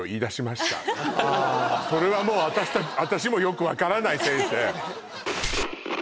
あそれはもう私もよく分からない先生